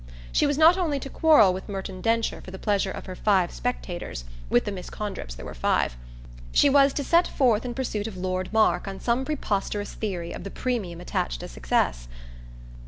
She was not only to quarrel with Merton Densher for the pleasure of her five spectators with the Miss Condrips there were five; she was to set forth in pursuit of Lord Mark on some preposterous theory of the premium attached to success.